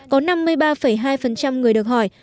có năm mươi ba hai người được hỏi